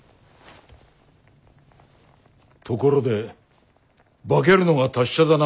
ところで化けるのが達者だな。